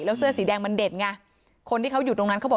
แล้วเสื้อสีแดงมันเด่นไงคนที่เขาอยู่ตรงนั้นเขาบอก